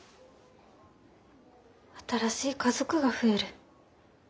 新しい家族が増える。